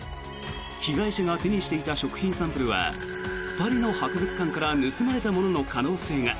被害者が手にしていた食品サンプルはパリの博物館から盗まれたものの可能性が。